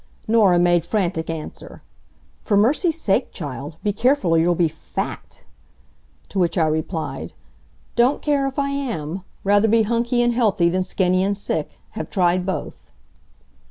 Norah made frantic answer: "For mercy's sake child, be careful or you'll be FAT!" To which I replied: "Don't care if I am. Rather be hunky and healthy than skinny and sick. Have tried both."